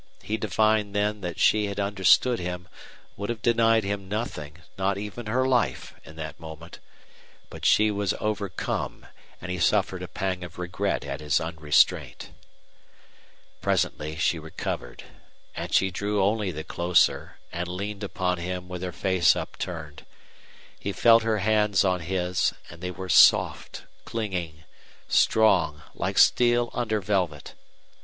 He divined then that she had understood him, would have denied him nothing, not even her life, in that moment. But she was overcome, and he suffered a pang of regret at his unrestraint. Presently she recovered, and she drew only the closer, and leaned upon him with her face upturned. He felt her hands on his, and they were soft, clinging, strong, like steel under velvet.